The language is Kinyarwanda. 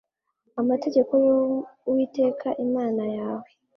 amategeko y Uwiteka Imana yawe